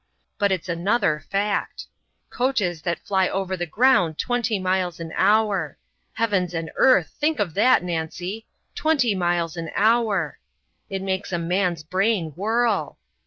But it's another fact. Coaches that fly over the ground twenty miles an hour heavens and earth, think of that, Nancy! Twenty miles an hour. It makes a man's brain whirl.